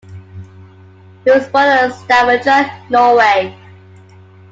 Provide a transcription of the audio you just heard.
He was born at Stavanger, Norway.